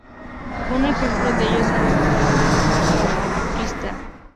Un ejemplo de ello son los trastornos del espectro autista.